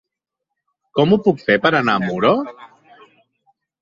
Com ho puc fer per anar a Muro?